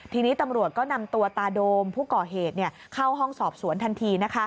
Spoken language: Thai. ทีนี้ตำรวจก็นำตัวตาโดมผู้ก่อเหตุเข้าห้องสอบสวนทันที